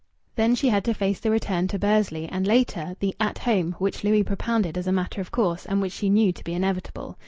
Then she had to face the return to Bursley, and, later, the At Home which Louis propounded as a matter of course, and which she knew to be inevitable.